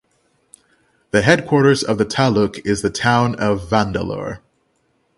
The headquarters of the taluk is the town of Vandalur.